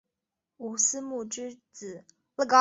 吴思穆之子。